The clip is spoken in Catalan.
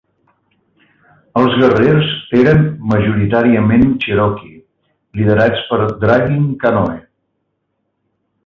Els guerrers eren majoritàriament Cherokee, liderats per Dragging Canoe.